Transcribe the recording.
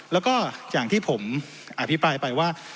แล้วก็อย่างที่ผมอภิปรายไปว่า